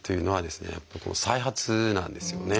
やっぱり再発なんですよね。